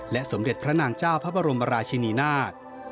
สมเด็จพระนางเจ้าพระบรมราชินีนาฏ